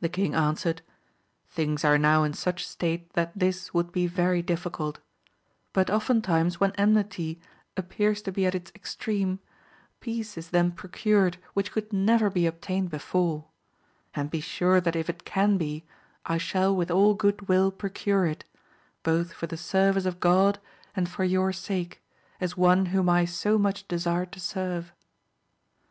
The king answered, Things are now in such state that this would be very difficult ; but oftentimes when enmity appears to be at its ex treme, peace is then procured which could never be 152 AMADIS OF GAUL. obtained before : and be sure that if it can be, I shall with all good will procure it, both for the service of God, and for your sake, as one whom I so much desire to serve.